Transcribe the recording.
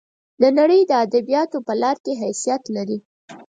د نړۍ د ادبیاتو په لار کې حیثیت لري.